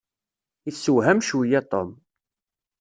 Isewham cwiya Tom.